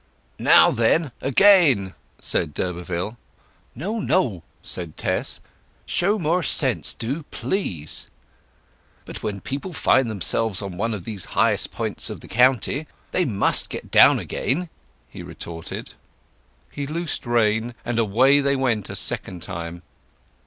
"Now then, again!" said d'Urberville. "No, no!" said Tess. "Show more sense, do, please." "But when people find themselves on one of the highest points in the county, they must get down again," he retorted. He loosened rein, and away they went a second time.